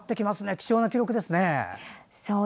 貴重な記録ですね。